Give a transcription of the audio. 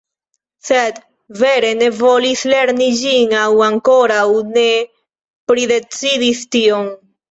Sed vere ne volis lerni ĝin aŭ ankoraŭ ne pridecidis tion